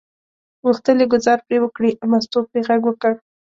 غوښتل یې ګوزار پرې وکړي، مستو پرې غږ وکړ.